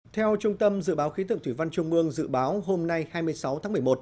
theo trung tâm dự báo khí tượng thủy văn trung ương dự báo hôm nay hai mươi sáu tháng một mươi một